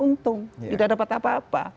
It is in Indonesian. untung tidak dapat apa apa